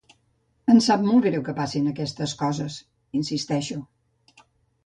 Em sap molt de greu que passin aquestes coses —insisteixo.